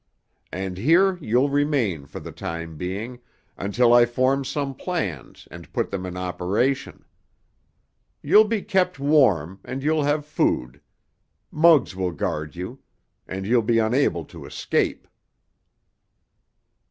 And here you'll remain for the time being, until I form some plans and put them in operation. You'll be kept warm, and you'll have food. Muggs will guard you. And you'll be unable to escape."